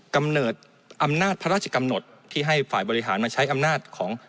กำเนิดอำนาจพระราชกำหนดที่ให้ฝ่ายบริหารมาใช้อำนาจของ